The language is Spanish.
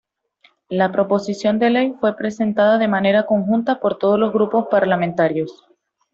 La proposición de Ley fue presentada de manera conjunta por todos los grupos parlamentarios.